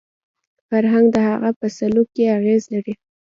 فرهنګ د هغه په سلوک کې اغېز لري